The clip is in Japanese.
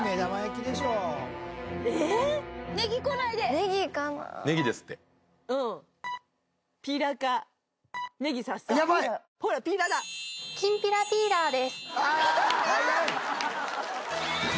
きんぴらピーラーです。